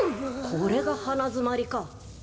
これが花づまりか！